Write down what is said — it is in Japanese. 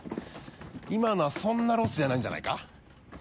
今のはそんなロスじゃないんじゃないか？